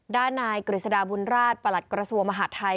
ด้านนายกฤษฎาบุญราชประหลัดกระทรวงมหาดไทย